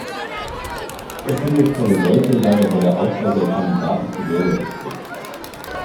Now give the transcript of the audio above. Er findet keine Leute, weil er bei der Auswahl der Kandidaten zu wählerisch ist.